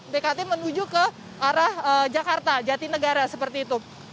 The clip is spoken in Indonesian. bkt menuju ke arah jakarta jatinegara seperti itu